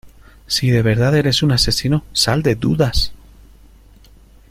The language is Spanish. si de verdad eres un asesino, sal de dudas.